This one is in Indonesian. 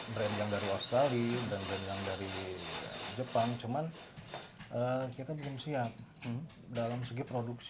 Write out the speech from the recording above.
brand yang dari australia dan brand yang dari jepang cuman